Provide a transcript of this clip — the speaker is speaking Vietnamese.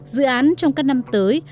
dự án trong các năm tới